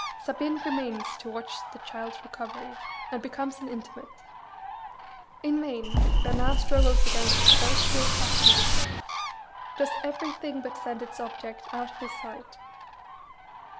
Sabine remains to watch the child's recovery, and becomes an intimate. In vain Bernard struggles against the first real passion of his life; does everything but send its object out of his sight.